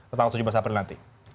tentang tujuh basah pernanti